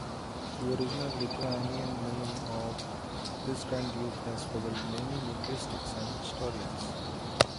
The original Lithuanian name of this Grand Duke has puzzled many linguists and historians.